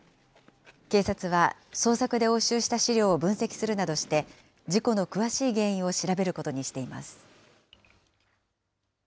警察は、捜索で押収した資料を分析するなどして、事故の詳しい原因を調べることにしています。